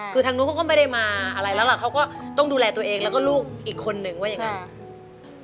คือทางนู้นเขาก็ไม่ได้มาอะไรแล้วล่ะเขาก็ต้องดูแลตัวเองแล้วก็ลูกอีกคนนึงว่าอย่างนั้น